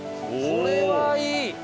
これはいい！